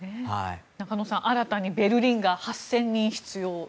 中野さん、新たにベルリンガー８０００人必要と。